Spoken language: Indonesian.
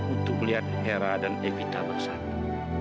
untuk melihat hera dan evita bersatu